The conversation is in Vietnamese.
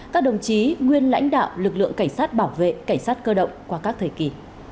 các đồng chí nguyên lãnh đạo lực lượng cảnh sát bảo vệ cảnh sát cơ động qua các thời kỳ